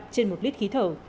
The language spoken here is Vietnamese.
trên một lít khí thở